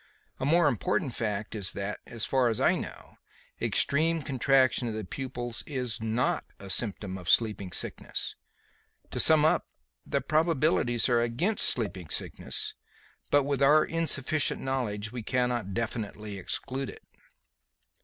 A more important fact is that, as far as I know, extreme contraction of the pupils is not a symptom of sleeping sickness. To sum up, the probabilities are against sleeping sickness, but with our insufficient knowledge, we cannot definitely exclude it."